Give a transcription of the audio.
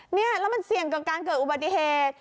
นี่แล้วมันเสี่ยงกับการเกิดอุบัติเหตุ